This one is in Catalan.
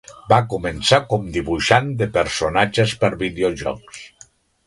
Va començar com dibuixant de personatges per videojocs.